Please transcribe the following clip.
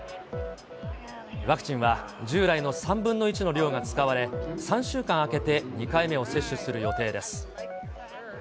ワクチンは、従来の３分の１の量が使われ、３週間空けて２回目を接種する予定です。